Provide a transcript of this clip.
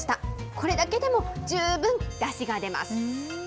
これだけでも十分だしが出ます。